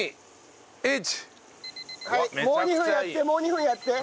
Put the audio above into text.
もう２分やってもう２分やって。